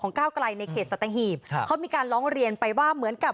ของกล้าวกลายในเคสสตาหีโมมันมีการร้องเรียนไว้ว่าเหมือนกับ